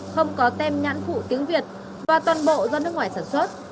không có tem nhãn phụ tiếng việt và toàn bộ do nước ngoài sản xuất